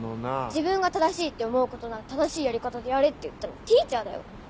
自分が正しいって思うことなら正しいやり方でやれって言ったのＴｅａｃｈｅｒだよ。